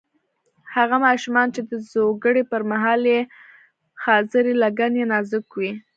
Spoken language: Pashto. هغه ماشومان چې د زوکړې پر مهال یې خاصرې لګن یې نازک وي.